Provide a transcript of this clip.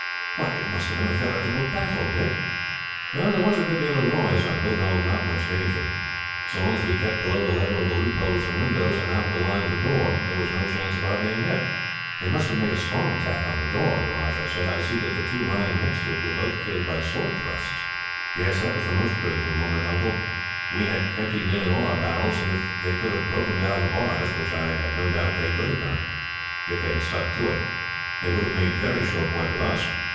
"Why, it must have been a veritable battle, Dick." "There was a good deal of noise, Uncle, though not much danger. So long as we kept below the level of the loopholes and windows, and out of the line of the door, there was no chance of our being hit." "They must have made a strong attack on the door," the Rajah said. "I see that the two lying next to it were both killed by sword thrusts." "Yes, that was the most critical moment, Uncle. We had emptied nearly all our barrels, and if they could have broken down the bars, which I have no doubt they could have done, if they had stuck to it, they would have made very short work of us."